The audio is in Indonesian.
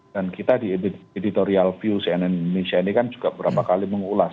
dan kita di editorial view cnn indonesia ini kan juga beberapa kali mengulas